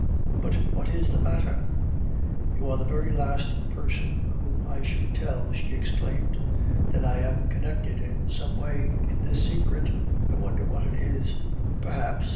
"But what is the matter?" "You are the very last person whom I should tell," she exclaimed. "Then I am connected in some way in this secret. I wonder what it is?" "Perhaps.